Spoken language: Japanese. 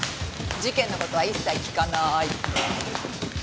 事件の事は一切聞かなーい。